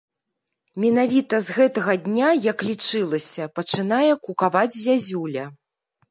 Менавіта з гэтага дня, як лічылася, пачынае кукаваць зязюля.